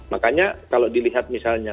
makanya kalau dilihat misalnya